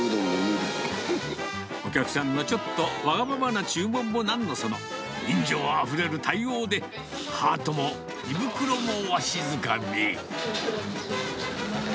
お客さんのちょっとわがままな注文もなんのその、人情あふれる対応で、ハートも胃袋もわしづかみ。